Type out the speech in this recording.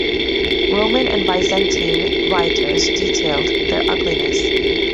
Roman and Byzantine writers detailed their ugliness.